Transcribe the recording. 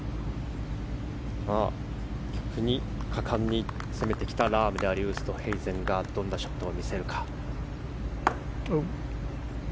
果敢に攻めてきたラームとウーストヘイゼンがどんなショットを見せるか。